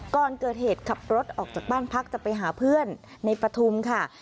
ก่อนเกิดเหตุขับรถออกจากบ้านพักจะไปหาเพื่อนในปฐุมค่ะ